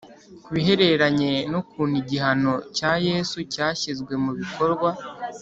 Ku bihereranye n ukuntu igihano cya Yesu cyashyizwe mu bikorwa